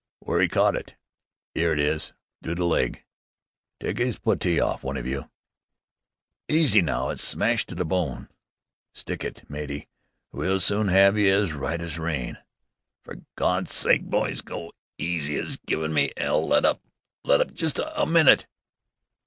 "W'ere's 'e caught it?" "'Ere it is, through the leg. Tyke 'is puttee off, one of you!" "Easy, now! It's smashed the bone! Stick it, matey! We'll soon 'ave you as right as rain!" "Fer Gawd's sake, boys, go easy! It's givin' me 'ell! Let up! Let up just a minute!"